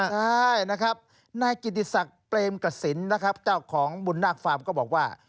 ใช่นะครับนายกิติศักดิ์เปรมกระสินนะครับเจ้าของบุญนาคฟาร์มก็บอกว่า